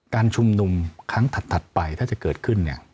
การชุมนุมครั้งถัดไปถ้าจะเกิดขึ้น